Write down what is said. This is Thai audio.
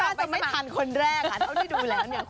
จะไม่ทันคนแรกค่ะเท่าที่ดูแล้วเนี่ย